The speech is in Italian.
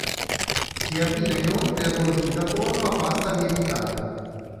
Si abbina inoltre a dolci da forno a pasta lievitata.